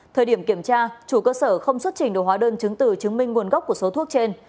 thời điểm kiểm tra chủ cơ sở không xuất trình đồ hóa đơn chứng từ chứng minh nguồn gốc của số thuốc trên